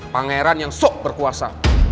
pangeran yang sok berkuasa